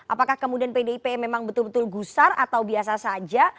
apakah kemudian pdip memang betul betul gusar atau biasa saja